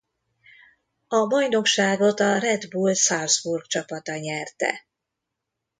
A bajnokságot a Red Bull Salzburg csapata nyerte.